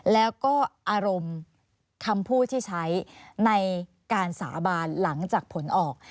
แล้วก็อารมณ์คำพูดที่ใช้ในการสาบานหลังจากผลออก